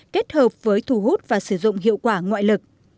kết hợp với thu hút và sử dụng hiệu quả ngoại lực